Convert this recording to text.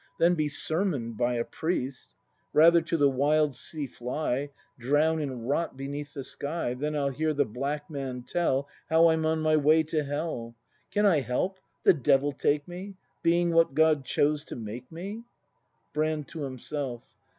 Than be sermon'd by a priest; Rather to the wild sea fly. Drown and rot beneath the sky. Than I'll hear the black man tell How I'm on my way to hell; Can I help — the devil take me — Being what God chose to make me? Brand. [To himself.